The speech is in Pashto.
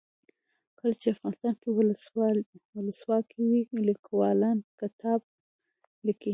کله چې افغانستان کې ولسواکي وي لیکوالان کتاب لیکي.